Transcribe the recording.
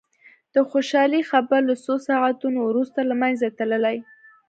د خوشالي خبر له څو ساعتونو وروسته له منځه تللي.